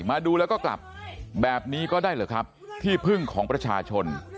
มาดูแล้วก็กลับแบบนี้ก็ได้เหรอครับที่พึ่งของประชาชน